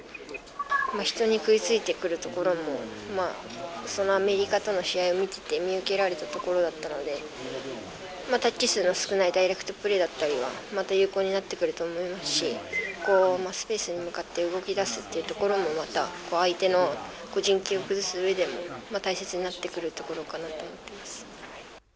人に食いついてくるところもアメリカとの試合を見てて見受けられたところだったのでタッチ数の少ないダイレクトプレーだったりはまた有効になってくると思いますしスペースに向かって動きだすっていうところもまた相手の陣形を崩すうえでも大切になってくるところかなと思ってます。